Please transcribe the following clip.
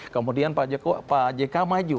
kemudian pak jk maju